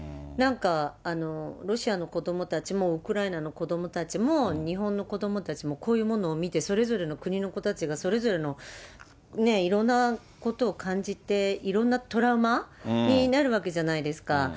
なんかロシアの子どもたちもウクライナの子どもたちも、日本の子どもたちも、こういうものを見て、それぞれの国の子たちが、それぞれのいろんなことを感じて、いろんなトラウマになるわけじゃないですか。